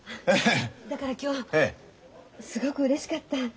だから今日すごくうれしかった。